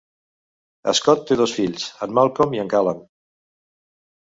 Scott té dos fills, en Malcolm i en Callan.